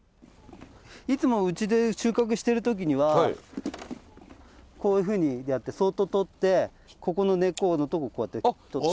いつもうちで収穫してる時にはこういうふうにやってそっととってここの根っこのとこをこうやってとって。